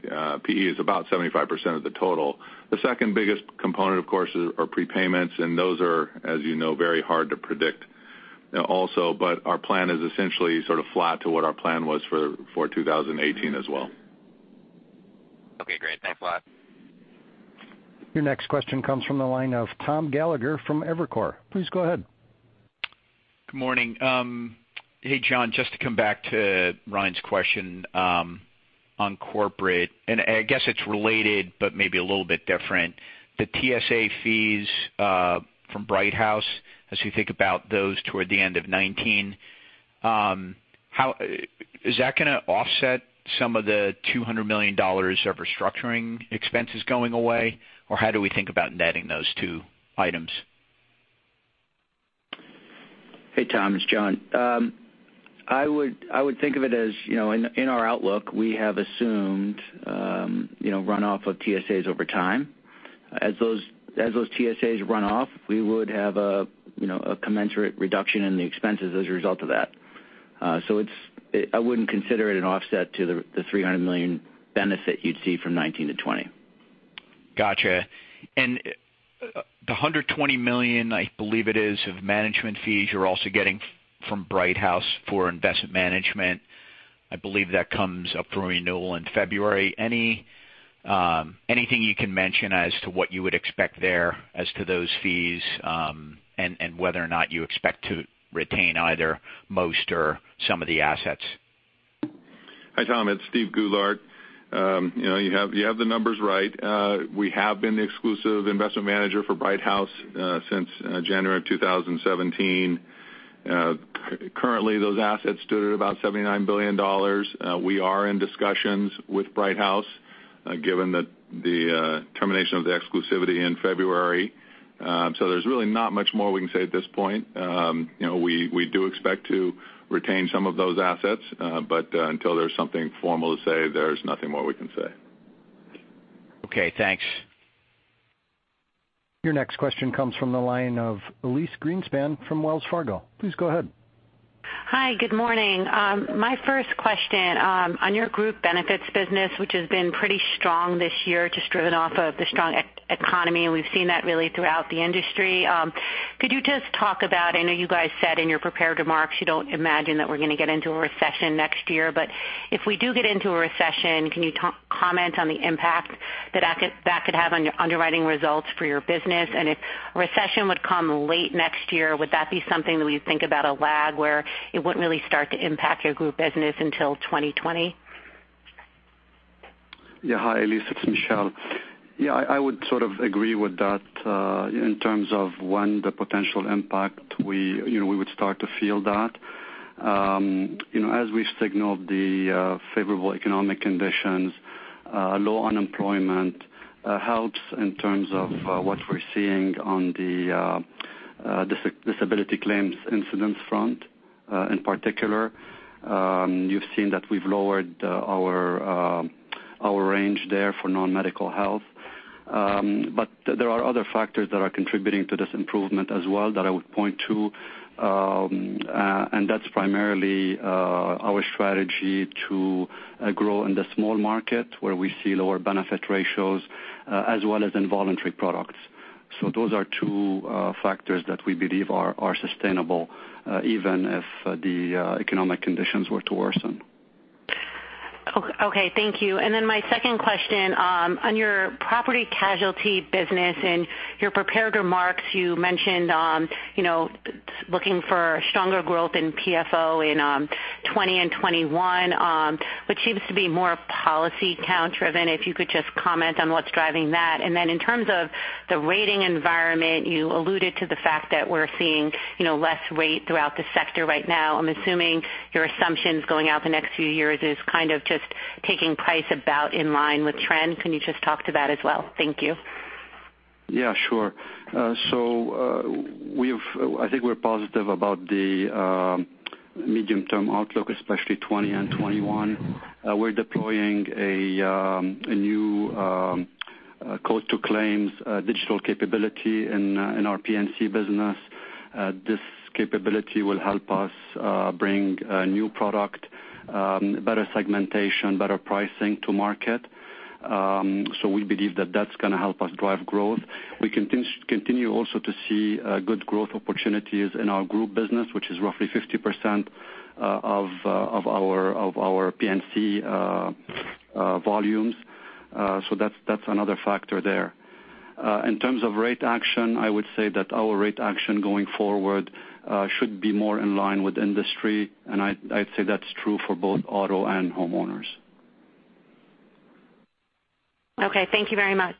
PE is about 75% of the total. The second biggest component, of course, are prepayments, and those are, as you know, very hard to predict also. Our plan is essentially sort of flat to what our plan was for 2018 as well. Okay, great. Thanks a lot. Your next question comes from the line of Thomas Gallagher from Evercore. Please go ahead. Good morning. Hey, John, just to come back to Ryan's question on corporate, and I guess it's related, but maybe a little bit different. The TSA fees from Brighthouse, as you think about those toward the end of 2019, is that going to offset some of the $200 million of restructuring expenses going away? How do we think about netting those two items? Hey, Tom, it's John. I would think of it as in our outlook, we have assumed runoff of TSAs over time. As those TSAs run off, we would have a commensurate reduction in the expenses as a result of that. I wouldn't consider it an offset to the $300 million benefit you'd see from 2019 to 2020. Got you. The $120 million, I believe it is, of management fees you're also getting from Brighthouse Financial for investment management. I believe that comes up for renewal in February. Anything you can mention as to what you would expect there as to those fees, and whether or not you expect to retain either most or some of the assets? Hi, Tom, it's Steven Goulart. You have the numbers right. We have been the exclusive investment manager for Brighthouse Financial since January of 2017. Currently, those assets stood at about $79 billion. We are in discussions with Brighthouse Financial given the termination of the exclusivity in February. There's really not much more we can say at this point. We do expect to retain some of those assets, but until there's something formal to say, there's nothing more we can say. Okay, thanks. Your next question comes from the line of Elyse Greenspan from Wells Fargo. Please go ahead. Hi. Good morning. My first question on your group benefits business, which has been pretty strong this year, just driven off of the strong economy, and we've seen that really throughout the industry. Could you just talk about, I know you guys said in your prepared remarks you don't imagine that we're going to get into a recession next year. If we do get into a recession, can you comment on the impact that could have on your underwriting results for your business? If a recession would come late next year, would that be something that we think about a lag where it wouldn't really start to impact your group business until 2020? Hi, Elyse, it's Michel. I would sort of agree with that in terms of, one, the potential impact we would start to feel that. As we signaled the favorable economic conditions, low unemployment helps in terms of what we're seeing on the disability claims incidence front. In particular, you've seen that we've lowered our range there for non-medical health. There are other factors that are contributing to this improvement as well that I would point to. That's primarily our strategy to grow in the small market where we see lower benefit ratios as well as in voluntary products. Those are two factors that we believe are sustainable even if the economic conditions were to worsen. Okay, thank you. My second question on your property casualty business. In your prepared remarks, you mentioned looking for stronger growth in PFO in 2020 and 2021, which seems to be more policy count driven. If you could just comment on what's driving that. In terms of the rating environment, you alluded to the fact that we're seeing less rate throughout the sector right now. I'm assuming your assumptions going out the next few years is kind of just taking price about in line with trend. Can you just talk to that as well? Thank you. Yeah, sure. I think we're positive about the medium-term outlook, especially 2020 and 2021. We're deploying a new quote-to-claim digital capability in our P&C business. This capability will help us bring a new product, better segmentation, better pricing to market. We believe that that's going to help us drive growth. We continue also to see good growth opportunities in our group business, which is roughly 50% of our P&C volumes. That's another factor there. In terms of rate action, I would say that our rate action going forward should be more in line with industry, and I'd say that's true for both auto and homeowners. Okay, thank you very much.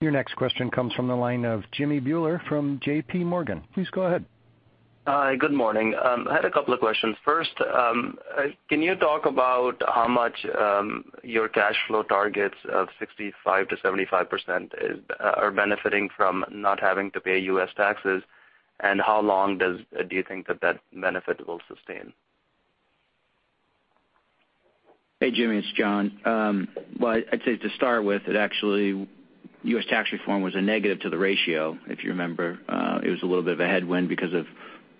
Your next question comes from the line of Jimmy Bhullar from JPMorgan. Please go ahead. Hi, good morning. I had a couple of questions. First, can you talk about how much your cash flow targets of 65%-75% are benefiting from not having to pay U.S. taxes? How long do you think that benefit will sustain? Hey, Jimmy, it's John. I'd say to start with, actually, U.S. tax reform was a negative to the ratio. If you remember, it was a little bit of a headwind because of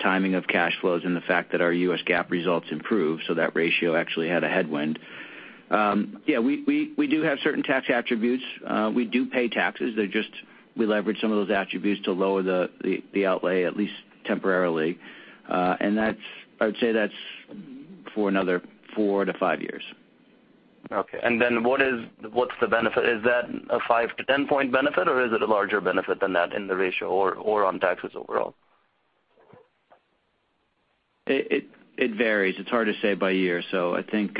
timing of cash flows and the fact that our U.S. GAAP results improved, that ratio actually had a headwind. We do have certain tax attributes. We do pay taxes, we leverage some of those attributes to lower the outlay, at least temporarily. I would say that's for another four to five years. Okay. What's the benefit? Is that a five- to 10-point benefit, or is it a larger benefit than that in the ratio or on taxes overall? It varies. It's hard to say by year. I think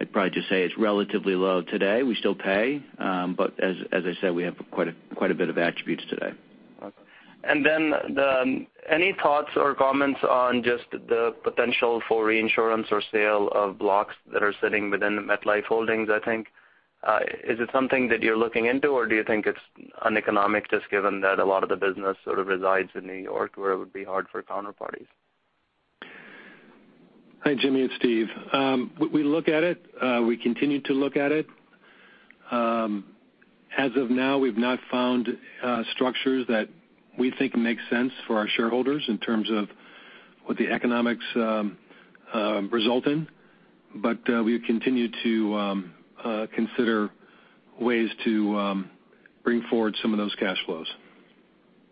I'd probably just say it's relatively low today. We still pay. As I said, we have quite a bit of attributes today. Okay. Any thoughts or comments on just the potential for reinsurance or sale of blocks that are sitting within the MetLife Holdings, I think? Is it something that you're looking into, or do you think it's uneconomic, just given that a lot of the business sort of resides in New York, where it would be hard for counterparties? Hi, Jimmy, it's Steve. We look at it. We continue to look at it. As of now, we've not found structures that we think make sense for our shareholders in terms of what the economics result in. We continue to consider ways to bring forward some of those cash flows.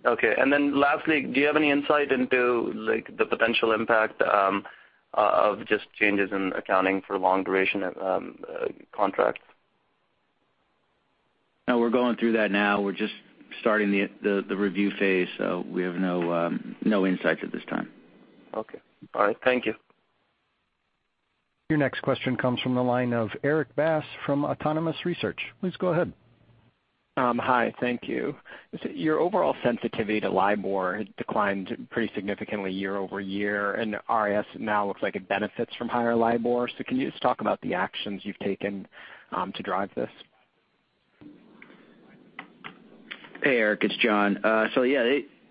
Okay. Lastly, do you have any insight into the potential impact of just changes in accounting for long-duration contracts? We're going through that now. We're just starting the review phase, we have no insights at this time. Okay. All right. Thank you. Your next question comes from the line of Erik Bass from Autonomous Research. Please go ahead. Hi. Thank you. Your overall sensitivity to LIBOR had declined pretty significantly year-over-year, and RIS now looks like it benefits from higher LIBOR. Can you just talk about the actions you've taken to drive this? Hey, Erik, it's John. Yeah,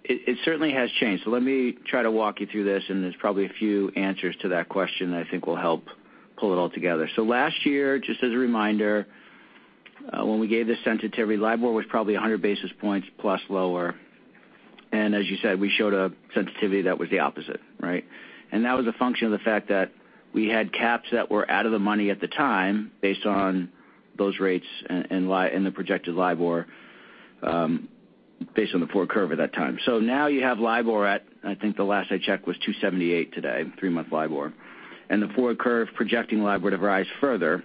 it certainly has changed. Let me try to walk you through this, there's probably a few answers to that question that I think will help pull it all together. Last year, just as a reminder, when we gave this sensitivity, LIBOR was probably 100 basis points plus lower. As you said, we showed a sensitivity that was the opposite, right? That was a function of the fact that we had caps that were out of the money at the time based on those rates and the projected LIBOR based on the forward curve at that time. Now you have LIBOR at, I think the last I checked was 278 today, three-month LIBOR. The forward curve projecting LIBOR to rise further.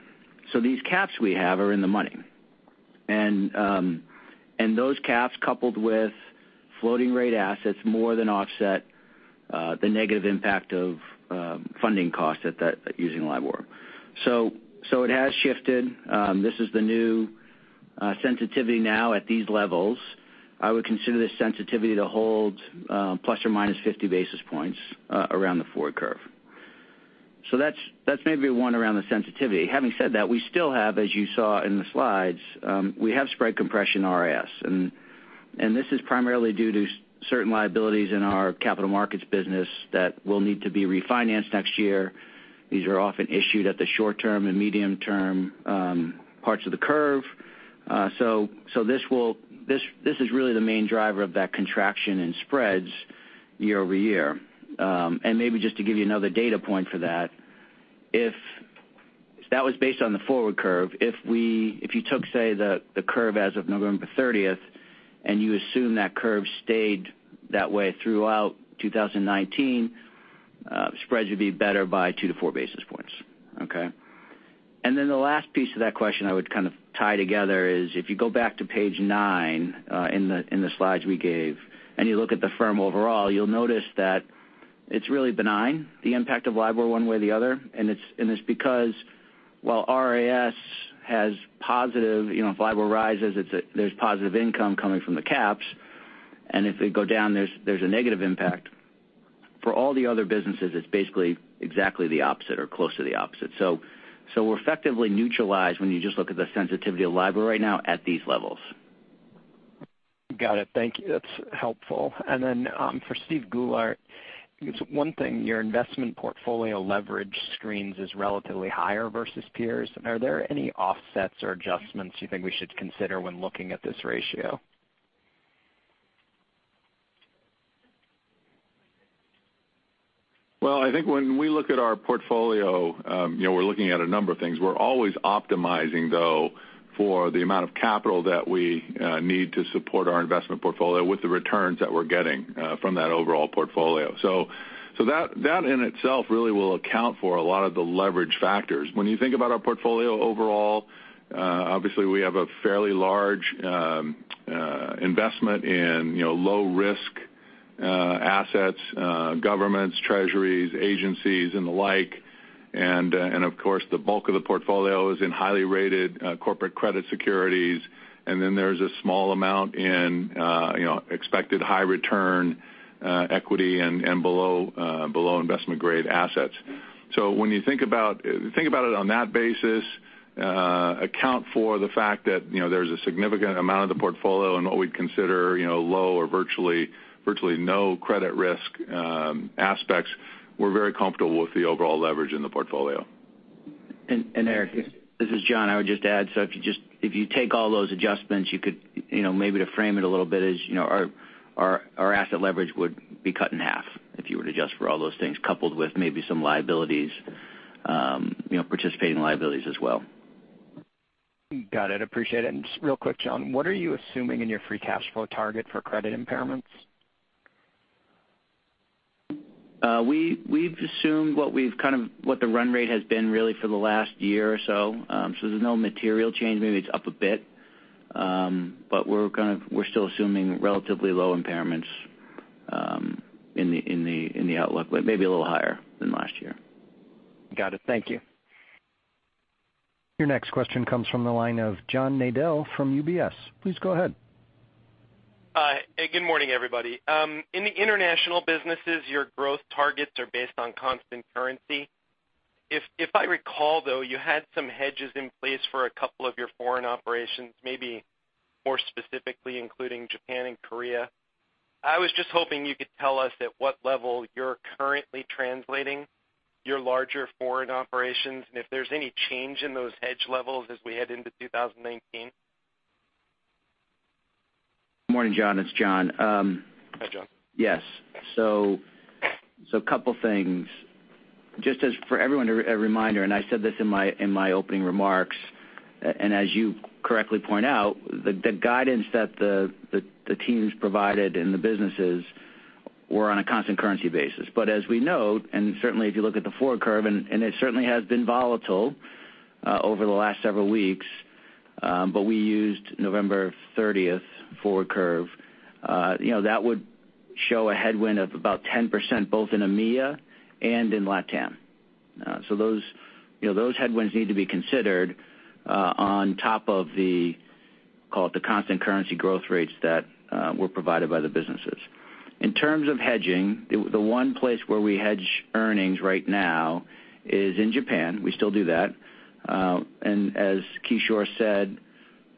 These caps we have are in the money. Those caps, coupled with floating rate assets, more than offset the negative impact of funding costs using LIBOR. It has shifted. This is the new sensitivity now at these levels. I would consider this sensitivity to hold plus or minus 50 basis points around the forward curve. That's maybe one around the sensitivity. Having said that, we still have, as you saw in the slides, we have spread compression RIS, this is primarily due to certain liabilities in our capital markets business that will need to be refinanced next year. These are often issued at the short-term and medium-term parts of the curve. This is really the main driver of that contraction in spreads year-over-year. Maybe just to give you another data point for that was based on the forward curve. If you took, say, the curve as of November 30th, and you assume that curve stayed that way throughout 2019, spreads would be better by 2 to 4 basis points. Okay. The last piece of that question I would kind of tie together is if you go back to page nine in the slides we gave, and you look at the firm overall, you'll notice that it's really benign, the impact of LIBOR one way or the other, and it's because while RIS has positive, if LIBOR rises, there's positive income coming from the caps. If they go down, there's a negative impact. For all the other businesses, it's basically exactly the opposite or close to the opposite. We're effectively neutralized when you just look at the sensitivity of LIBOR right now at these levels. Got it. Thank you. That's helpful. For Steven Goulart, one thing, your investment portfolio leverage screens as relatively higher versus peers. Are there any offsets or adjustments you think we should consider when looking at this ratio? Well, I think when we look at our portfolio, we're looking at a number of things. We're always optimizing, though, for the amount of capital that we need to support our investment portfolio with the returns that we're getting from that overall portfolio. That in itself really will account for a lot of the leverage factors. When you think about our portfolio overall, obviously we have a fairly large investment in low-risk assets, governments, treasuries, agencies, and the like. Of course, the bulk of the portfolio is in highly rated corporate credit securities. There's a small amount in expected high return equity and below investment-grade assets. When you think about it on that basis, account for the fact that there's a significant amount of the portfolio in what we'd consider low or virtually no credit risk aspects, we're very comfortable with the overall leverage in the portfolio. Erik, this is John. I would just add, if you take all those adjustments, you could maybe to frame it a little bit is our asset leverage would be cut in half if you were to adjust for all those things, coupled with maybe some participating liabilities as well. Got it. Appreciate it. Just real quick, John, what are you assuming in your free cash flow target for credit impairments? We've assumed what the run rate has been really for the last year or so. There's no material change. Maybe it's up a bit. We're still assuming relatively low impairments in the outlook, but maybe a little higher than last year. Got it. Thank you. Your next question comes from the line of John Nadel from UBS. Please go ahead. Hi. Good morning, everybody. In the international businesses, your growth targets are based on constant currency. If I recall though, you had some hedges in place for a couple of your foreign operations, maybe more specifically including Japan and Korea. I was just hoping you could tell us at what level you're currently translating your larger foreign operations and if there's any change in those hedge levels as we head into 2019. Morning, John. It's John. Hi, John. Couple things. Just as for everyone, a reminder, and I said this in my opening remarks, and as you correctly point out, the guidance that the teams provided in the businesses were on a constant currency basis. As we note, and certainly if you look at the forward curve, and it certainly has been volatile over the last several weeks, we used November 30th forward curve. That would show a headwind of about 10%, both in EMEA and in LATAM. Those headwinds need to be considered on top of the, call it the constant currency growth rates that were provided by the businesses. In terms of hedging, the one place where we hedge earnings right now is in Japan. We still do that. As Kishore said,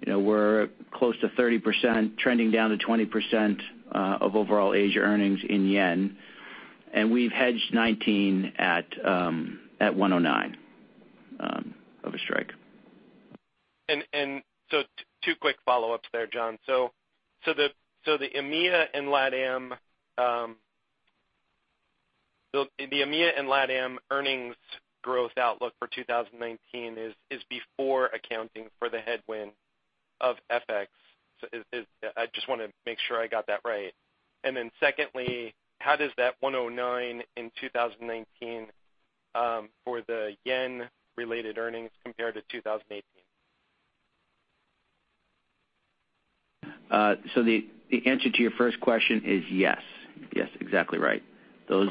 we're close to 30%, trending down to 20% of overall Asia earnings in yen. We've hedged 2019 at 109 of a strike. Two quick follow-ups there, John. The EMEA and LATAM earnings growth outlook for 2019 is before accounting for the headwind of FX. I just want to make sure I got that right. Secondly, how does that 109 in 2019 for the yen-related earnings compare to 2018? The answer to your first question is yes. Yes, exactly right. Those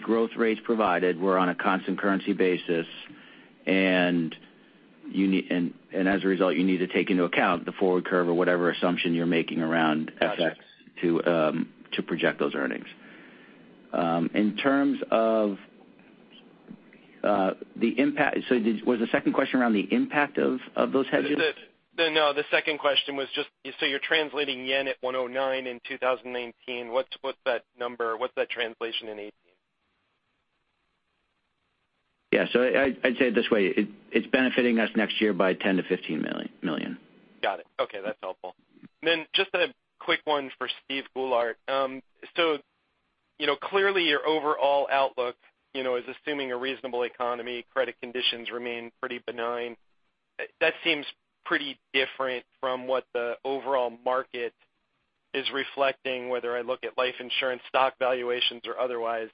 growth rates provided were on a constant currency basis, as a result, you need to take into account the forward curve or whatever assumption you're making around FX to project those earnings. In terms of the impact, was the second question around the impact of those hedges? No, the second question was just, you're translating yen at 109 in 2019. What's that number? What's that translation in 2018? Yeah. I'd say it this way. It's benefiting us next year by $10 million-$15 million. Got it. Okay. That's helpful. Just a quick one for Steven Goulart. Clearly, your overall outlook is assuming a reasonable economy, credit conditions remain pretty benign. That seems pretty different from what the overall market is reflecting, whether I look at life insurance stock valuations or otherwise.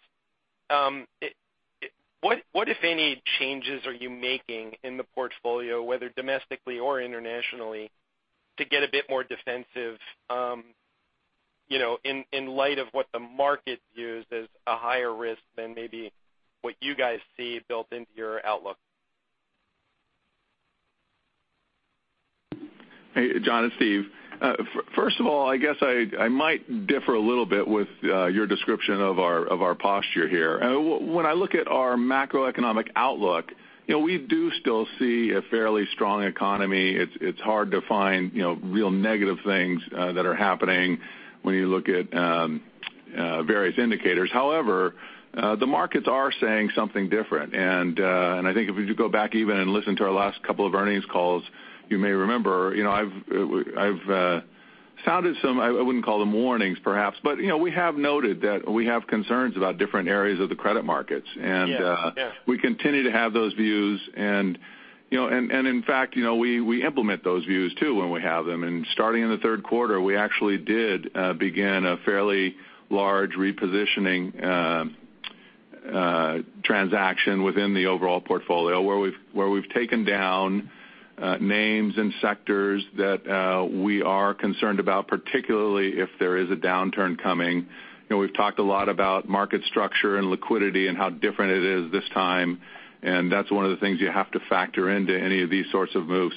What, if any, changes are you making in the portfolio, whether domestically or internationally, to get a bit more defensive in light of what the market views as a higher risk than maybe what you guys see built into your outlook? Hey, John, it's Steve. First of all, I guess I might differ a little bit with your description of our posture here. When I look at our macroeconomic outlook, we do still see a fairly strong economy. It's hard to find real negative things that are happening when you look at various indicators. However, the markets are saying something different, and I think if you go back even and listen to our last couple of earnings calls, you may remember I've sounded some, I wouldn't call them warnings perhaps, but we have noted that we have concerns about different areas of the credit markets. Yeah. We continue to have those views. In fact we implement those views too when we have them. Starting in the third quarter, we actually did begin a fairly large repositioning transaction within the overall portfolio where we've taken down names and sectors that we are concerned about, particularly if there is a downturn coming. We've talked a lot about market structure and liquidity and how different it is this time, and that's one of the things you have to factor into any of these sorts of moves.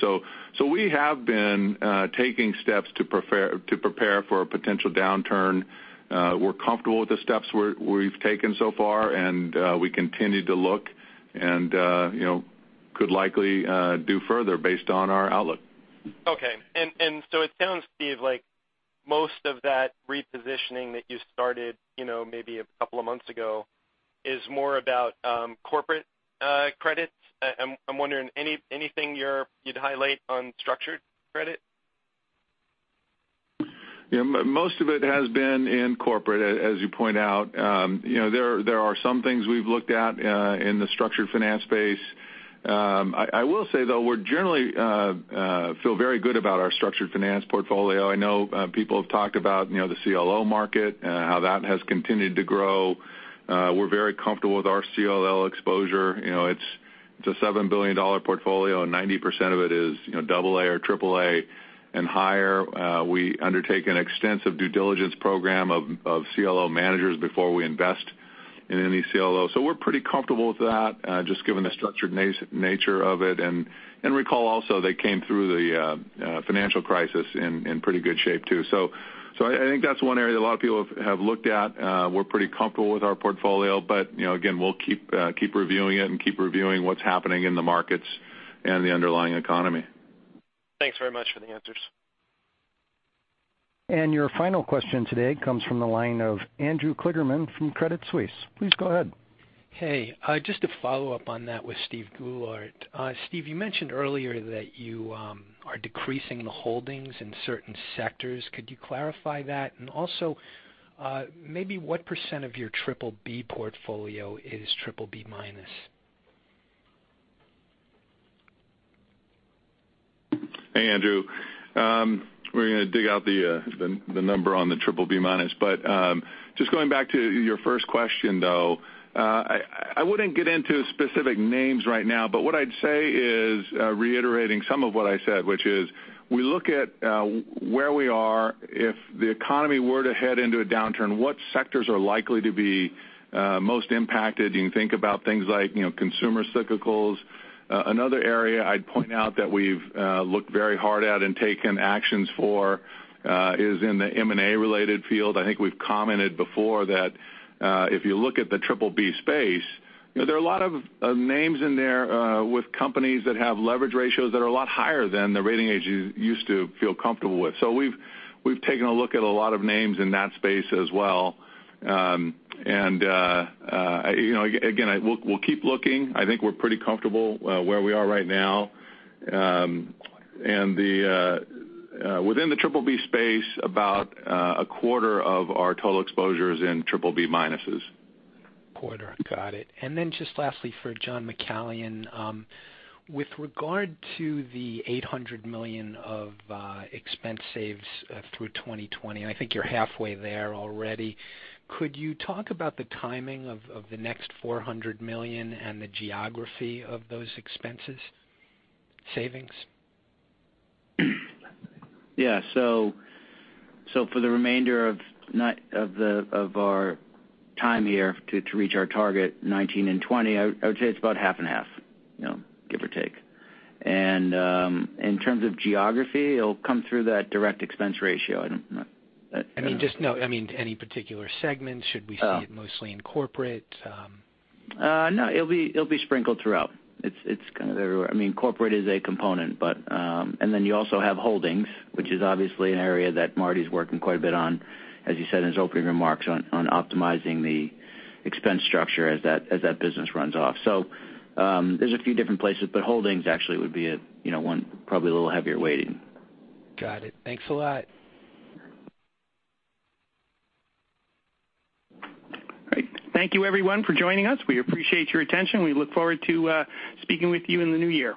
We have been taking steps to prepare for a potential downturn. We're comfortable with the steps we've taken so far, and we continue to look, and could likely do further based on our outlook. Okay. It sounds, Steve, like most of that repositioning that you started maybe a couple of months ago is more about corporate credits. I'm wondering, anything you'd highlight on structured credit? Yeah, most of it has been in corporate, as you point out. There are some things we've looked at in the structured finance space. I will say, though, we generally feel very good about our structured finance portfolio. I know people have talked about the CLO market and how that has continued to grow. We're very comfortable with our CLO exposure. It's a $7 billion portfolio, and 90% of it is AA or AAA and higher. We undertake an extensive due diligence program of CLO managers before we invest in any CLO. We're pretty comfortable with that, just given the structured nature of it. Recall also, they came through the financial crisis in pretty good shape, too. I think that's one area that a lot of people have looked at. We're pretty comfortable with our portfolio, again, we'll keep reviewing it and keep reviewing what's happening in the markets and the underlying economy. Thanks very much for the answers. Your final question today comes from the line of Andrew Kligerman from Credit Suisse. Please go ahead. Hey. Just to follow up on that with Steven Goulart. Steve, you mentioned earlier that you are decreasing the holdings in certain sectors. Could you clarify that? And also, maybe what % of your BBB portfolio is BBB-? Hey, Andrew. We're going to dig out the number on the BBB-. Just going back to your first question, though, I wouldn't get into specific names right now, but what I'd say is reiterating some of what I said, which is we look at where we are. If the economy were to head into a downturn, what sectors are likely to be most impacted? You can think about things like consumer cyclicals. Another area I'd point out that we've looked very hard at and taken actions for is in the M&A-related field. I think we've commented before that if you look at the BBB space, there are a lot of names in there with companies that have leverage ratios that are a lot higher than the rating agencies used to feel comfortable with. We've taken a look at a lot of names in that space as well. We'll keep looking. I think we're pretty comfortable where we are right now. Within the BBB space, about a quarter of our total exposure is in BBB-. Quarter. Got it. Then just lastly for John McCallion. With regard to the $800 million of expense saves through 2020, I think you're halfway there already. Could you talk about the timing of the next $400 million and the geography of those expenses savings? Yeah. For the remainder of our time here to reach our target 2019 and 2020, I would say it's about half and half, give or take. In terms of geography, it'll come through that direct expense ratio. I don't know. No. I mean, any particular segment? Should we see it mostly in Corporate? No, it'll be sprinkled throughout. It's kind of everywhere. Corporate is a component. You also have Holdings, which is obviously an area that Marty's working quite a bit on, as you said in his opening remarks, on optimizing the expense structure as that business runs off. There's a few different places, but Holdings actually would be one probably a little heavier weighting. Got it. Thanks a lot. Great. Thank you everyone for joining us. We appreciate your attention. We look forward to speaking with you in the new year.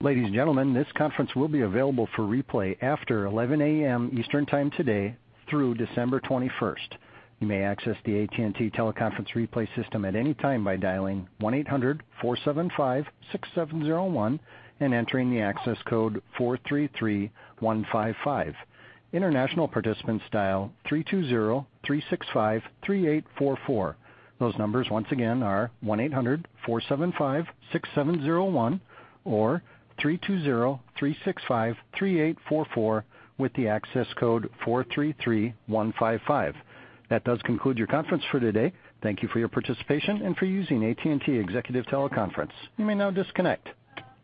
Ladies and gentlemen, this conference will be available for replay after 11:00 A.M. Eastern Time today through December 21st. You may access the AT&T teleconference replay system at any time by dialing 1-800-475-6701 and entering the access code 433155. International participants dial 320-365-3844. Those numbers once again are 1-800-475-6701 or 320-365-3844 with the access code 433155. That does conclude your conference for today. Thank you for your participation and for using AT&T Executive Teleconference. You may now disconnect.